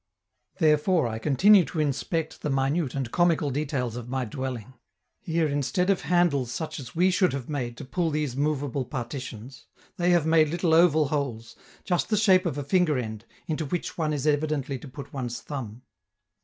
Therefore I continue to inspect the minute and comical details of my dwelling. Here, instead of handles such as we should have made to pull these movable partitions, they have made little oval holes, just the shape of a finger end, into which one is evidently to put one's thumb.